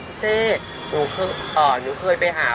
เจ๊หนูเคยไปหา